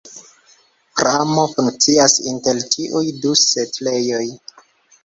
Pramo funkcias inter tiuj du setlejoj.